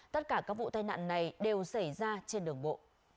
tất cả các vụ tai nạn này đều xảy ra trên đường bộ